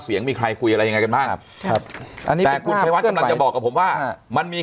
เสียงมีใครคุยอะไรยังไงกันบ้างจะบอกกับผมว่ามันมี